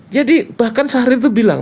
jadi bahkan sahrir itu bilang